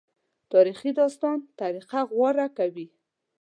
تاریخي داستان طریقه غوره کوي.